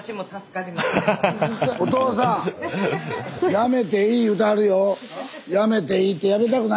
やめていい言うてはるよ。